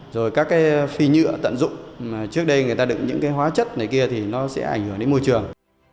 rồi các cái phì nhựa tận dụng mà trước đây người ta đựng những cái hóa chất này kia thì nó sẽ ảnh hưởng đến môi trường